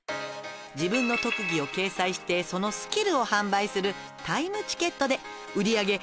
自分の特技を掲載してそのスキルを販売するタイムチケットで」